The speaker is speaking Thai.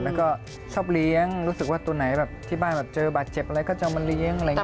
แล้วก็ชอบเลี้ยงรู้สึกว่าตัวไหนแบบที่บ้านแบบเจอบาดเจ็บอะไรก็จะเอามาเลี้ยงอะไรอย่างนี้